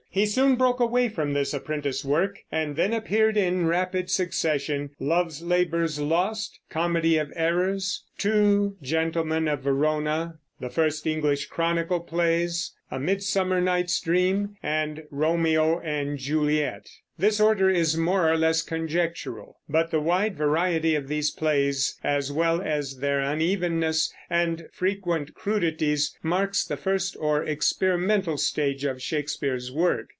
He soon broke away from this apprentice work, and then appeared in rapid succession Love's Labour's Lost, Comedy of Errors, Two Gentlemen of Verona, the first English Chronicle plays, A Midsummer Night's Dream, and Romeo and Juliet. This order is more or less conjectural; but the wide variety of these plays, as well as their unevenness and frequent crudities, marks the first or experimental stage of Shakespeare's work.